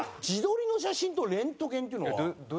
自撮りの写真とレントゲンっていうのは？